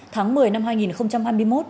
tháng một mươi năm hai nghìn hai mươi một